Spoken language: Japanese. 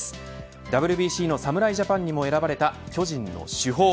ＷＢＣの侍ジャパンにも選ばれた巨人の主砲。